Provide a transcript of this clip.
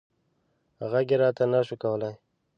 غږ یې راته نه شو کولی.